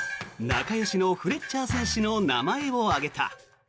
仲よしのフレッチャー選手の名前を挙げた。